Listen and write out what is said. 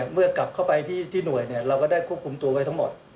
เมื่อกลับเข้าไปที่หน่วยเราก็ได้ควบคุมตัวไว้ทั้งหมด